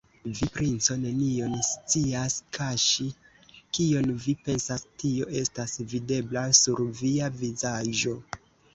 Vi, princo, nenion scias kaŝi: kion vi pensas, tio estas videbla sur via vizaĝo.